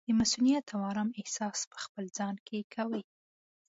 د مصؤنیت او ارام احساس پخپل ځان کې کوي.